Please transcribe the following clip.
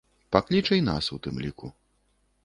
Пакліча і нас, у тым ліку.